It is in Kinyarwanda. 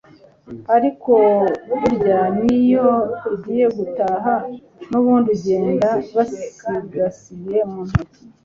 ariko burya n'iyo agiye gutaha n'ubundi agenda basigasiye mu ntoki